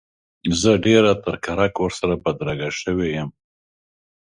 زه ډېره تر کرک ورسره بدرګه شوی یم.